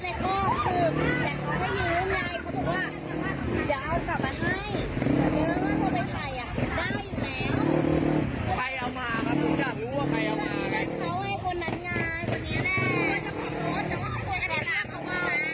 เมื่อคนบอกว่าเบอร์ลิ้นเขาไม่กระดกแล้ว